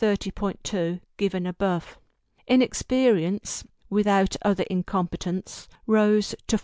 2 given above. Inexperience (without other incompetence) rose to 4.